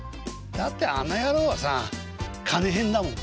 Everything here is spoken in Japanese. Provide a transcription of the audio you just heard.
「だってあの野郎はさ金ヘンだもん」。